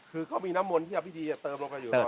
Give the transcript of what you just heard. คือเขามีน้ำมนต์ที่พิธีเติมลงไปอยู่หรือเปล่า